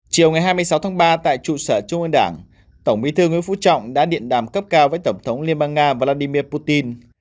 chiều ngày hai mươi sáu tháng ba tại trụ sở trung ương đảng tổng bí thư nguyễn phú trọng đã điện đàm cấp cao với tổng thống liên bang nga vladimir putin